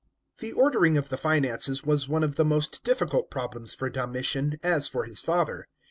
The ordering of the finances was one of the most difficult problems for Domitian, as for his father.